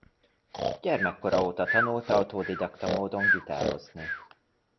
Gyermekkora óta tanult autodidakta módon gitározni.